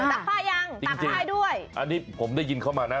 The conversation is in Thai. อ่าซักผ้ายังซักผ้ายด้วยจริงจริงอันนี้ผมได้ยินเข้ามานะ